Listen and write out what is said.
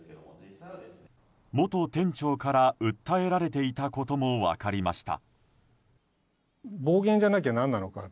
元店長から訴えられていたことも分かりました。